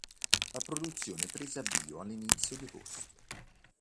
La produzione prese avvio all'inizio di agosto.